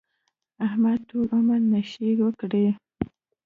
احمد ټول عمر نشې وکړې.